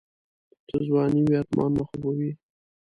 چې ځواني وي آرمانونه خو به وي.